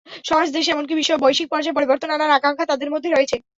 সমাজ, দেশ এমনকি বৈশ্বিক পর্যায়ে পরিবর্তন আনার আকাঙ্ক্ষা তাঁদের মধ্যে রয়েছে।